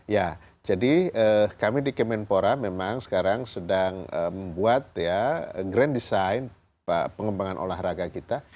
ya jadi kami di kemenpora memang sekarang sedang membuat ya grand design pengembangan olahraga kita